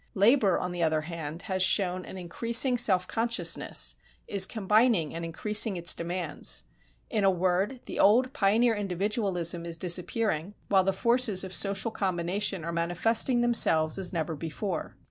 Labor on the other hand has shown an increasing self consciousness, is combining and increasing its demands. In a word, the old pioneer individualism is disappearing, while the forces of social combination are manifesting themselves as never before.